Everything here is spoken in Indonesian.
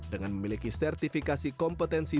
dengan memiliki sertifikasi kompetensi